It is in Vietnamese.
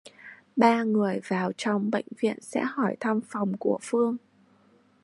ba người vàotrong bệnh viện sẽ hỏi thăm phòng của Phương